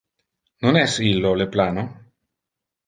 Non es illo le plano?